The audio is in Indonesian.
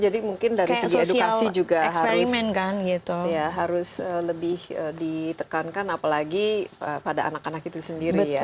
jadi mungkin dari sisi edukasi juga harus lebih ditekankan apalagi pada anak anak itu sendiri